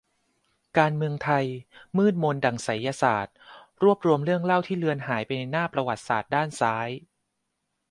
การเมืองไทยมืดมนดั่งไสยศาสตร์ รวบรวมเรื่องเล่าที่เลือนหายไปในหน้าประวัติศาสตร์ด้านซ้าย